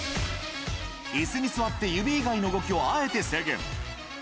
いすに座って指以外の動きをあえて制限。